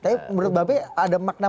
tapi menurut bapak bapak ada makna